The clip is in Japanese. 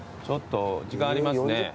ちょっと時間ありますね。